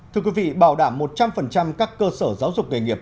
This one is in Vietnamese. thưa quý vị bảo đảm một trăm linh các cơ sở giáo dục nghề nghiệp